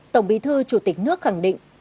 tổng bí thư chủ tịch nước khẳng định